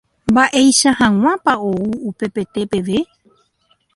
mba'eicha hag̃uápa ou upepete peve